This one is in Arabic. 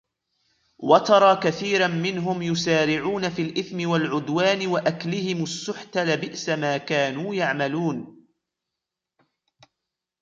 وترى كثيرا منهم يسارعون في الإثم والعدوان وأكلهم السحت لبئس ما كانوا يعملون